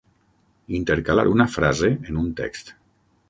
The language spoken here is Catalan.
Intercalar una frase en un text.